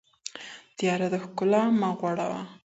تياره د ښکلا مه غوړوه